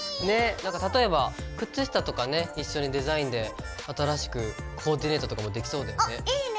なんか例えば靴下とかね一緒にデザインで新しくコーディネートとかもできそうだよね。